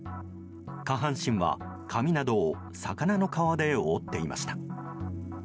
下半身は、紙などを魚の皮で覆っていました。